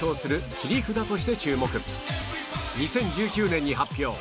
２０１９年に発表